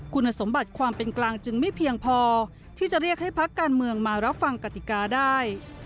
คุณสมบัติความเป็นกลางจึงไม่เพียงพอที่จะเรียกให้พักการเมืองมารับฟังกติกาได้